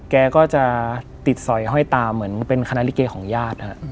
แกก็จะติดสอยห้อยตาเหมือนเป็นคณะลิเกของญาติ